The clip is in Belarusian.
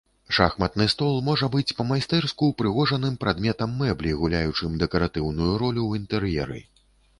Шахматны стол можа быць па-майстэрску упрыгожаным прадметам мэблі гуляючым дэкаратыўную ролю ў інтэр'еры.